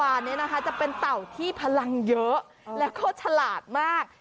เนี่ยนะคะจะเป็นเต่าที่พลังเยอะแล้วก็ฉลาดมาก